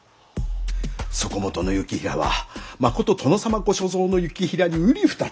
そこもとの行平はまこと殿様ご所蔵の行平に瓜二つ。